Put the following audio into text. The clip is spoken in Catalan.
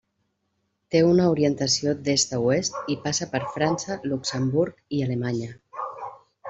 Té una orientació d'est a oest i passa per França, Luxemburg i Alemanya.